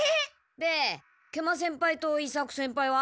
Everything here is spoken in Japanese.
で食満先輩と伊作先輩は？